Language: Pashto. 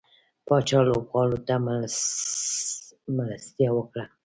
پاچا لوبغاړو ته ملستيا وکړه.